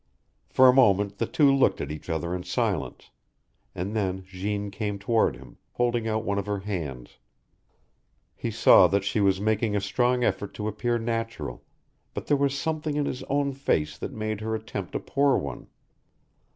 For a moment the two looked at each other in silence, and then Jeanne came toward him, holding out one of her hands. He saw that she was making a strong effort to appear natural, but there was something in his own face that made her attempt a poor one.